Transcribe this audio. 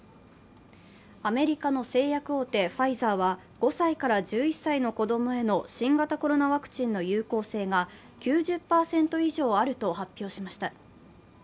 アメリカの製薬大手ファイザーは、５歳から１１歳の子供への新型コロナワクチンの有効性が９０％以上あると発表しました。